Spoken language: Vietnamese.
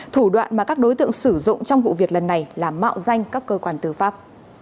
thủ đoạn mà các đối tượng sử dụng trong vụ việc lần này là mạo danh các cơ quan tư pháp